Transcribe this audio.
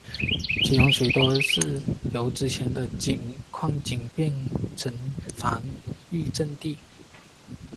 其中许多是由之前的矿井变成了防御阵地。